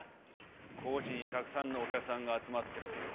高知にたくさんのお客さんが集まってるぜよ。